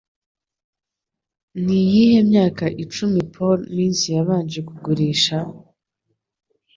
Niyihe myaka icumi Polo Mints Yabanje Kugurisha?